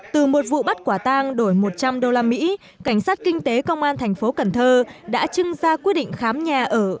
từ một vụ bắt quả tang đổi một trăm linh đô la mỹ cảnh sát kinh tế công an thành phố cần thơ đã chưng ra quyết định khám nhà ở